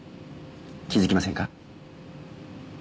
気づきませんか？